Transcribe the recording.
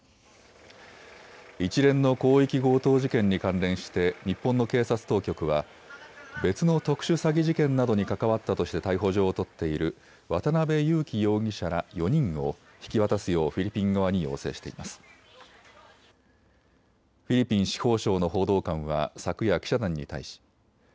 一連の広域強盗事件に関連して日本の警察当局は別の特殊詐欺事件などに関わったとして逮捕状を取っている渡邉優樹容疑者ら４人を引き渡すようフィリピン側に要請しています。